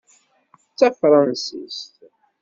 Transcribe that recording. D tafransist?